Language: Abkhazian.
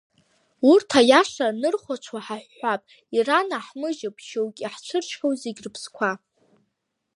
Урҭ аиаша анырхәаҽуа, ҳаҳәҳәап, иранаҳмыжьып, шьоук иаҳцәыршьхьоу зегь рыԥсқәа…